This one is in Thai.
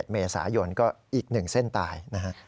๒๗เมษายนก็อีกหนึ่งเส้นตายนะฮะ